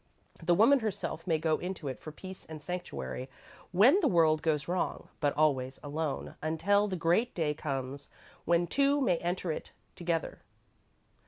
The woman herself may go into it for peace and sanctuary, when the world goes wrong, but always alone, until the great day comes when two may enter it together.